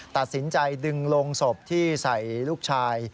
ตัดสินใจดึงโรงศพที่ใส่ลูกชาย